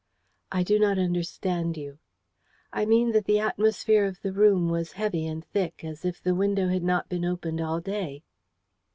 "I do not understand you." "I mean that the atmosphere of the room was heavy and thick, as if the window had not been opened all day."